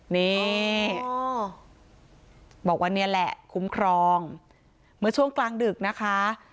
นี่บอกว่านี่แหละคุ้มครองเมื่อช่วงกลางดึกนะคะ